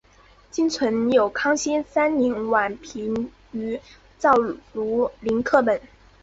今存有康熙三年宛平于藻庐陵刻本。